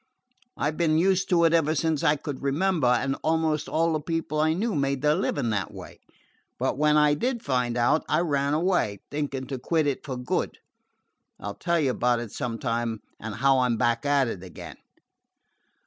I 'd been used to it ever since I could remember, and almost all the people I knew made their living that way. But when I did find out, I ran away, thinking to quit it for good. I 'll tell you about it sometime, and how I 'm back at it again.